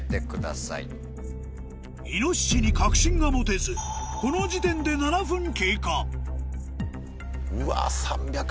イノシシに確信が持てずこの時点でうわ。